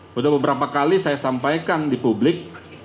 sudah beberapa kali saya sampaikan di publik